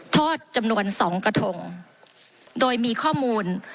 โทษจำนวนสองกระทงโดยมีข้อมูล